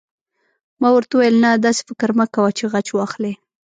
ما ورته وویل: نه، داسې فکر مه کوه چې غچ واخلې.